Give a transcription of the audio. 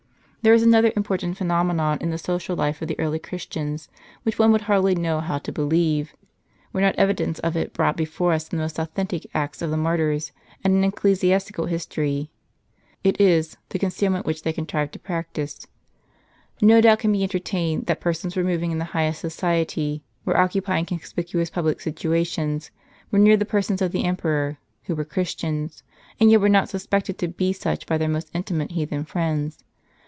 There is another important phenomenon in the social life of the early Christians, which one would hardly know how to believe, were not evidence of it brought before us in the most authentic Acts of the martyrs, and in ecclesiastical history. It is, the concealment which they contrived to j)ractise. No doubt can be entertained, that persons were moving in the highest society, were occupying conspicuous public situations, were near the persons of the emperors, who were Christians; and yet were not suspected to be such by their most intimate heathen friends.